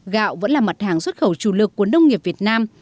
gạo vẫn là mặt hàng xuất khẩu chủ lực của nông nghiệp việt nam